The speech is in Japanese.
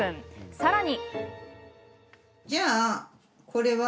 さらに。